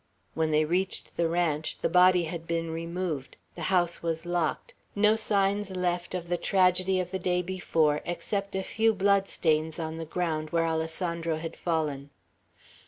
When they reached the ranch, the body had been removed; the house was locked; no signs left of the tragedy of the day before, except a few blood stains on the ground, where Alessandro had fallen.